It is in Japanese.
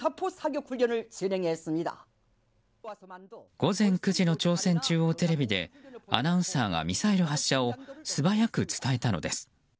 午前９時の朝鮮中央テレビでアナウンサーがミサイル発射を素早く伝えたのです。